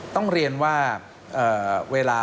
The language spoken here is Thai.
ต้องเรียนว่าเวลา